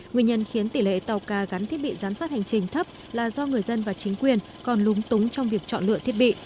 nguyên nhân khiến tỷ lệ tàu cá gắn thiết bị giám sát hành trình thấp là do người dân và chính quyền còn lúng túng trong việc chọn lựa thiết bị